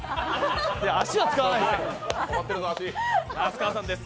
足は使わないです。